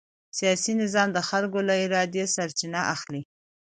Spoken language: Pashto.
سیاسي نظام د خلکو له ارادې سرچینه اخلي